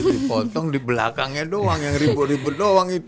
dipotong di belakangnya doang yang ribut ribut doang itu